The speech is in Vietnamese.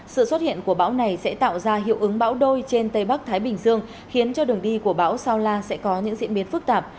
sự xuất hiện của bão này sẽ tạo ra hiệu ứng bão đôi trên tây bắc thái bình dương khiến cho đường đi của bão sao la sẽ có những diễn biến phức tạp